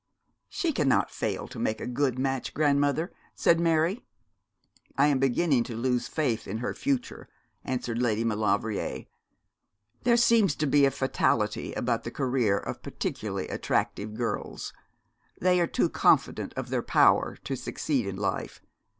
'She cannot fail to make a good match, grandmother,' said Mary. 'I am beginning to lose faith in her future,' answered Lady Maulevrier. 'There seems to be a fatality about the career of particularly attractive girls. They are too confident of their power to succeed in life.